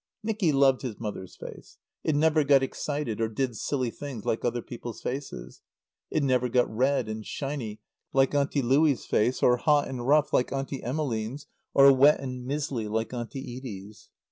Nicky loved his mother's face. It never got excited or did silly things like other people's faces. It never got red and shiny like Auntie Louie's face, or hot and rough like Auntie Emmeline's, or wet and mizzly like Auntie Edie's.